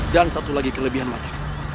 dan satu lagi kelebihan mata